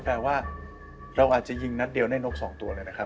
แปลว่าเราอาจจะยิงนัดเดียวได้นก๒ตัวเลยนะครับ